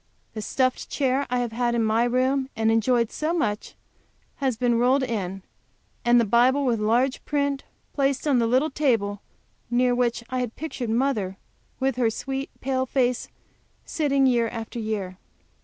The stuffed chair I have had in my room, and enjoyed so much, has been rolled in, and the Bible with large print placed on the little table near which I had pictured mother with her sweet, pale face, as sitting year after year.